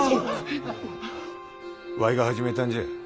わいが始めたんじゃ。